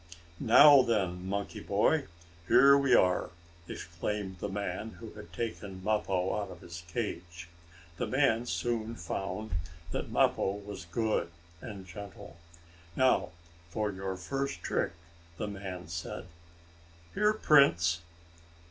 "Now then, monkey boy, here we are!" exclaimed the man who had taken Mappo out of his cage. The man soon found that Mappo was good and gentle. "Now for your first trick," the man said. "Here, Prince!"